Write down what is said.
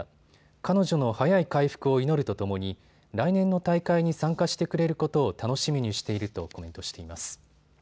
彼女の早い回復を祈るとともに来年の大会に参加してくれることを楽しみにしているとコメントしています。